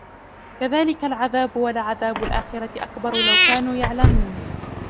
كَذلِكَ العَذابُ وَلَعَذابُ الآخِرَةِ أَكبَرُ لَو كانوا يَعلَمونَ